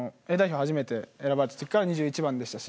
初めて選ばれた時から２１番でしたし。